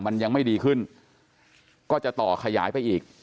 มันยังไม่ดีขึ้นก็จะต่อขยายไปอีก